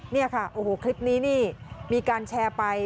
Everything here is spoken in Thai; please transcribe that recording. นี่คลิปนี้มีการแชร์ไป